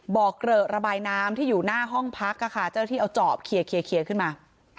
บ่อกระบายน้ำที่อยู่หน้าห้องพักค่ะค่ะเจ้าหน้าที่เอาจอบเคียร์เคียร์เคียร์ขึ้นมา